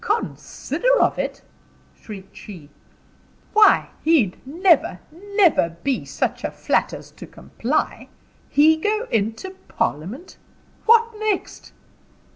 "Consider of it!" shrieked she. "Why, he'd never, never be such a flat as to comply. He go into parliament! What next?"